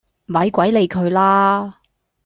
咪鬼理佢啦